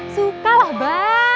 suka lah bang